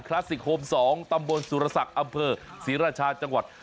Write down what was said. ลาสสิกโฮม๒ตำบลสุรศักดิ์อำเภอศรีราชาจังหวัด